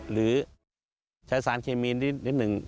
หรือใช้สารเคมีนิดหนึ่ง